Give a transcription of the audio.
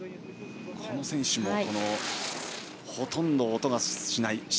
この選手もほとんど音がしない。